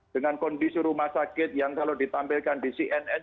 dengan kondisi rumah sakit yang kalau ditampilkan di cnn